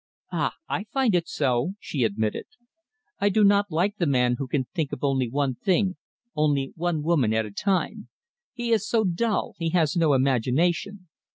"Ah! I find it so," she admitted. "I do not like the man who can think of only one thing, only one woman at a time. He is so dull, he has no imagination.